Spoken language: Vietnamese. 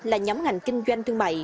là nhóm ngành kinh doanh thương mại